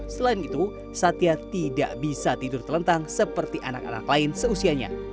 selain itu satya tidak bisa tidur terlentang seperti anak anak lain seusianya